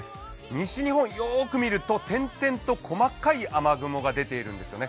西日本、よく見ると点々と細かい雨雲が出ているんですよね。